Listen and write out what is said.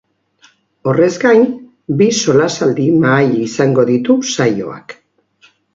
Horrez gain, bi solasaldi mahai izango ditu saioak.